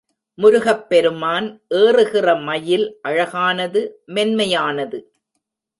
முருகப் பெருமான் ஏறுகின்ற மயில் அழகானது மென்மையானது.